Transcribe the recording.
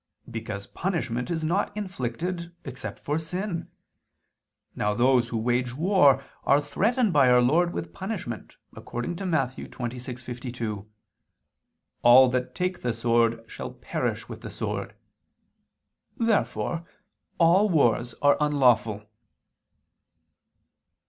Because punishment is not inflicted except for sin. Now those who wage war are threatened by Our Lord with punishment, according to Matt. 26:52: "All that take the sword shall perish with the sword." Therefore all wars are unlawful.